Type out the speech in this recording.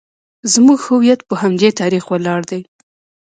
زموږ هویت په همدې تاریخ ولاړ دی